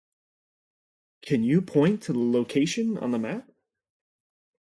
Can you point to the location on the map?